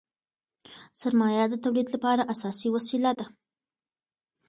سرمایه د تولید لپاره اساسي وسیله ده.